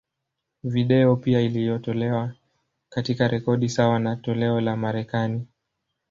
Video pia iliyotolewa, katika rekodi sawa na toleo la Marekani.